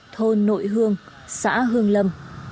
thôn nội hương xã hương lâm